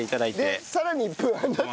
でさらに１分半だって。